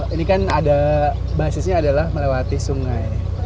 ini kan ada basisnya adalah melewati sungai